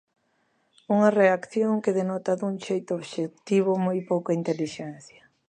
Unha reacción que denota dun xeito obxectivo moi pouca intelixencia.